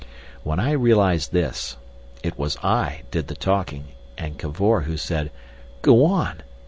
When I realised this, it was I did the talking, and Cavor who said, "Go on!"